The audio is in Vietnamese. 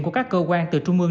của các cơ quan từ trung ương